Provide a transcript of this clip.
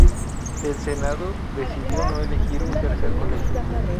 El Senado decidió no elegir un tercer colegio.